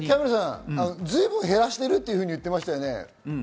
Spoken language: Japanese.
随分減らしてると言ってましたよね。